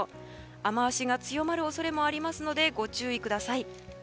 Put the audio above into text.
雨脚が強まる恐れもありますのでご注意ください。